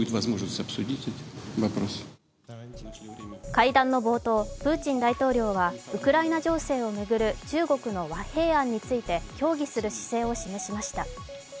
会談の冒頭、プーチン大統領はウクライナ情勢を巡る中国の和平案について協議する姿勢を示しました。